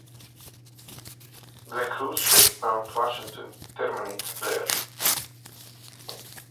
The cruise ship "Mount Washington" terminates there.